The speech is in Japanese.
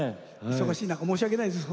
忙しい中申し訳ないです